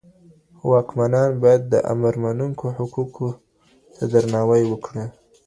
واکمنان بايد د امرمنونکو حقوقو ته درناوی وکړي.